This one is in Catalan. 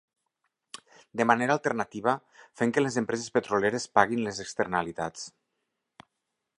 De manera alternativa, fent que les empreses petroleres paguin les externalitats.